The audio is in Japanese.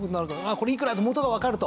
これいくらって元がわかると。